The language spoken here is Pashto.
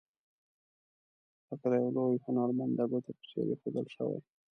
لکه د یو لوی هنرمند د ګوتو په څیر ایښودل شوي.